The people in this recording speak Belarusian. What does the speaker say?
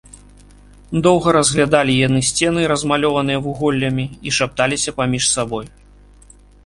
Доўга разглядалі яны сцены, размалёваныя вуголлямі, і шапталіся паміж сабой.